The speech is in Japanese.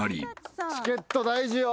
チケット大事よ。